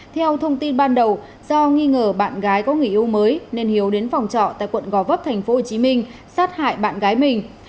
theo thông tin ban đầu do nghi ngờ bạn gái có nghỉ hưu mới nên hiếu đến phòng trọ tại quận gò vấp tp hcm sát hại bạn gái mình